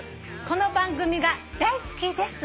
「この番組が大好きです」